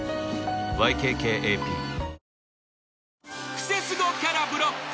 ［クセスゴキャラブロック。